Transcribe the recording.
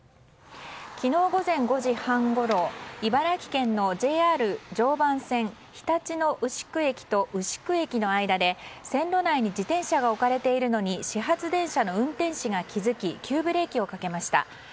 昨日午前５時半ごろ、茨城県のＪＲ常磐線ひたち野うしく駅と牛久駅の間で、線路内に自転車が置かれているのに始発電車の運転士が気付き急ブレーキをかけました。